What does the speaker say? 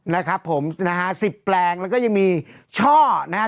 นะครับผมนะฮะสิบแปลงแล้วก็ยังมีช่อนะฮะ